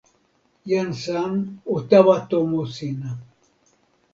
jan San o tawa tomo sina.